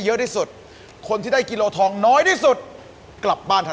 อยู่ที่ดวงที่ใจ